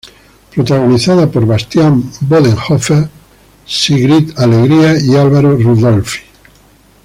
Protagonizada por Bastián Bodenhöfer, Sigrid Alegría y Álvaro Rudolphy.